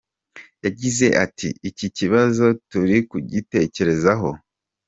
Yagize ati “Iki kibazo turi kugitekerezaho.